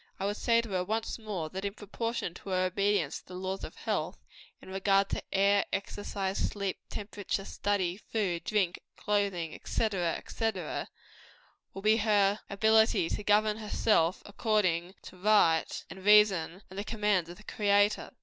I would say to her once more, that in proportion to her obedience to the laws of health, in regard to air, exercise, sleep, temperature, study, food, drink, clothing, &c., &c., will be her ability to govern herself according to right, and reason, and the commands of the Creator.